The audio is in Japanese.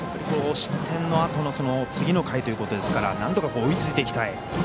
失点のあとの次の回ということですからなんとか追いついていきたい。